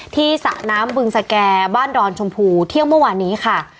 สระน้ำบึงสแก่บ้านดอนชมพูเที่ยงเมื่อวานนี้ค่ะ